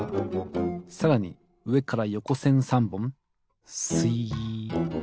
さらにうえからよこせん３ぼんすいっ。